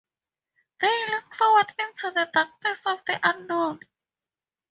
They looked forward into the darkness of the unknown.